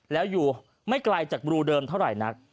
แล้วอยู่ไม่ไกลจากรูเดิมเท่าไหร่นัก